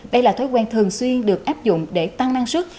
đây là thói quen thường xuyên được áp dụng để tăng năng suất